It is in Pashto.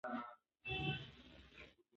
ده یو ډېر پټ او پېچلی غږ اورېدلی و.